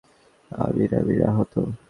আমির, আমির আহত।